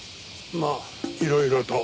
まあいろいろと。